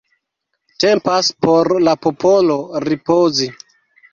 Tempas por la popolo ripozi.